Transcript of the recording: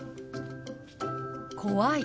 「怖い」。